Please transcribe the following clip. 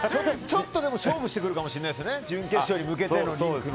ちょっと勝負してくるかもしれないですね、準決勝に向けて。